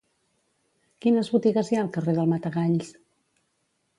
Quines botigues hi ha al carrer del Matagalls?